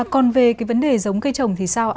còn về cái vấn đề giống cây trồng thì sao ạ